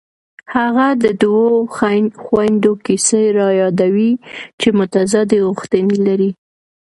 هغه د دوو خویندو کیسه رایادوي چې متضادې غوښتنې لري